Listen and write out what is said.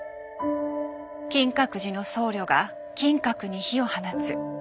「金閣寺の僧侶が金閣に火を放つ」。